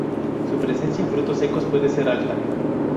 Su presencia en frutos secos puede ser alta.